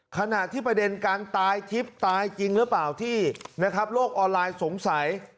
ขณะที่ประเด็นการตายทิพย์ตายจริงหรือเปล่าที่นะครับโลกออนไลน์สงสัย